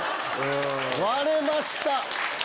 割れました！